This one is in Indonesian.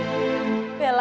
amin ya allah